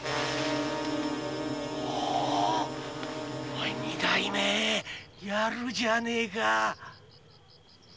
おい二代目やるじゃねえか。